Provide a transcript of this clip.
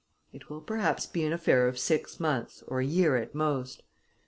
It will perhaps be an affair of six months or a year at most.